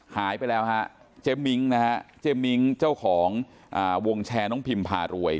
หายไปแล้วฮะเจ๊มิ้งนะฮะเจ๊มิ้งเจ้าของวงแชร์น้องพิมพารวย